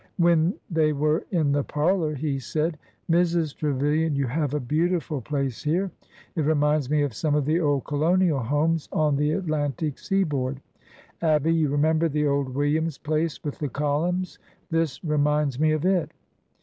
When they were in the parlor he said :" Mrs. Trevilian, you have a beautiful place here. It reminds me of some of the old colonial homes on the At lantic seaboard. Abby, you remember the old Williams place with the columns? This reminds me of it."